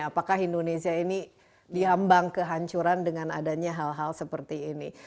apakah indonesia ini dihambang kehancuran dengan adanya hal hal seperti ini